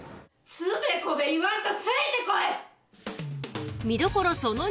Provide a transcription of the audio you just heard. つべこべ言わんとついて来い！